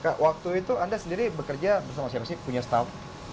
kak waktu itu anda sendiri bekerja bersama siapa sih punya staff